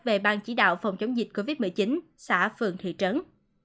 về bang chỉ đạo phòng chống dịch covid một mươi chín xã phường thị trấn